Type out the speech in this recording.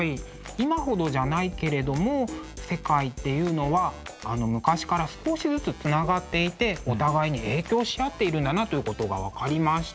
今ほどじゃないけれども世界っていうのは昔から少しずつつながっていてお互いに影響し合っているんだなということが分かりました。